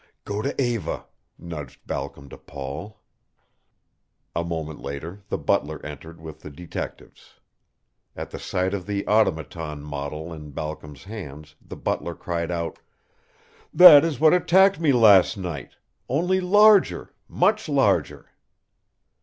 "Go to Eva," nudged Balcom to Paul. A moment later the butler entered with the detectives. At the sight of the automaton model in Balcom's hands the butler cried out: "That is what attacked me last night only larger much larger!"